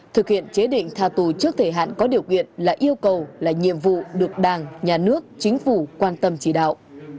thực hiện chế định tha tù trước thời hạn có điều kiện là yêu cầu là nhiệm vụ được đảng nhà nước chính phủ quan tâm chỉ đạo